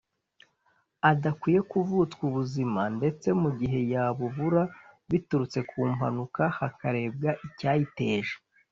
adakwiye kuvutswa ubuzima ndetse mu gihe yabubura biturutse ku mpanuka harebwa icyayiteje